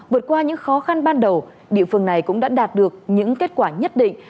vượt qua những khó khăn ban đầu địa phương này cũng đã đạt được những kết quả nhất định